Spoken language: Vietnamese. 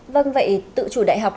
vâng vậy tự chủ đại học